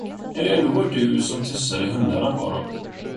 När det ändå var du, som tussade hundarna på honom.